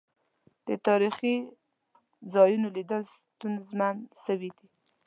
د تاريخي ځا يونوليدل ستونزمن سويدی.